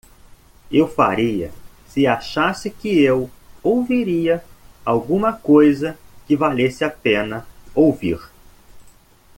Eu faria se achasse que eu ouviria alguma coisa que valesse a pena ouvir.